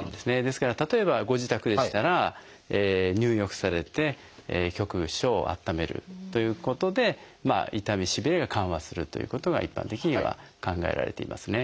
ですから例えばご自宅でしたら入浴されて局所を温めるということで痛みしびれは緩和するということが一般的には考えられていますね。